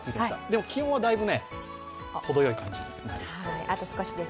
でも、気温は程よい感じになりそうです。